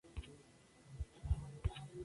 Athos es el artista de Brasília.